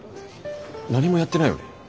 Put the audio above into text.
何もやってないよね？